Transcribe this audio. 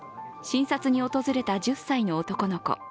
診察に訪れた１０歳の男の子。